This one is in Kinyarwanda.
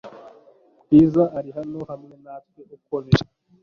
Bwiza ari hano hamwe natwe uko biri